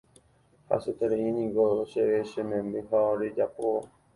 Hasyetereínteko chéve che memby ko rejapóva